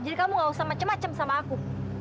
jadi kamu nggak usah macem macem sama aku